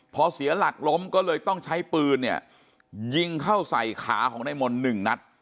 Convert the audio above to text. พอเสียหลักล้มก็เลยต้องใช้ปืนเนี่ยยิงเข้าใส่ขาของนายมนต์๑นัด